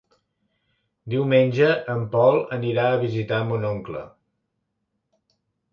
Diumenge en Pol anirà a visitar mon oncle.